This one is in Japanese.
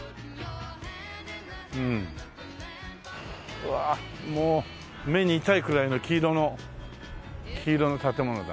うわもう目に痛いくらいの黄色の黄色の建物だ。